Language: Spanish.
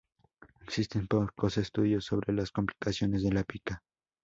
Existen pocos estudios sobre las complicaciones de la pica.